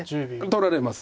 取られます。